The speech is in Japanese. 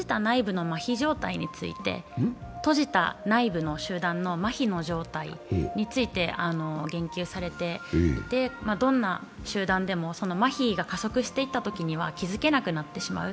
もう一つは、閉じた内部の集団の麻痺の状態について言及されていて、どんな集団でも、その麻痺が加速していったときは気づけなくなってしまう。